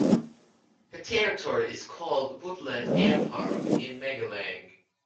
The territory is called "Woodland Air Park" in Magalang.